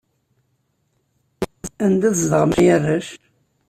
Anda i tzedɣem a arrac?